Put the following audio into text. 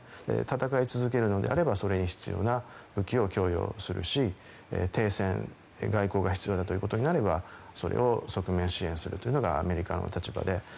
戦い続けるのであればそれに必要な武器を供与するし、停戦外交が必要だということになればそれを、側面支援するというのがアメリカの立場で。